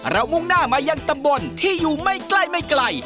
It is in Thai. เรามุ่งหน้ามายังตำบลที่อยู่ไม่ใกล้